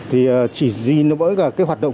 thì chỉ vì nó mới là cái hoạt động